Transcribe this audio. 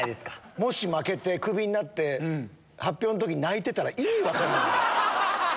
もし負けてクビになって、発表のとき泣いてたら、意味分からんよ。